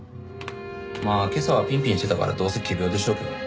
まあ今朝はピンピンしてたからどうせ仮病でしょうけど。